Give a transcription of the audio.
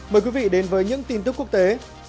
mời quý vị đến với những tin tức quốc tế